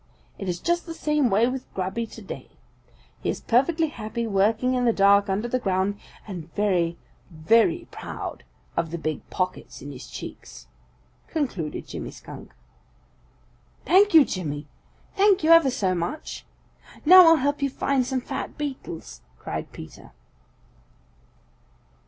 It is just the same way with Grubby to day. He is perfectly happy working in the dark under the ground and very, very proud of the big pockets in his cheeks," concluded Jimmy Skunk. "Thank you, Jimmy. Thank you ever so much. Now I'll help you find some fat beetles," cried Peter.